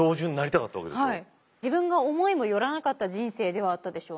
自分が思いも寄らなかった人生ではあったでしょうね。